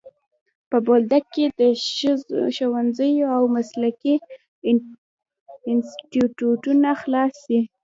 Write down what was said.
په بولدک کي دي ښوونځی او مسلکي انسټیټونه خلاص سي.